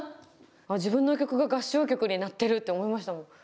自分の曲が合唱曲になってる！って思いましたもん。